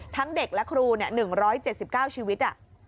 เด็กและครู๑๗๙ชีวิต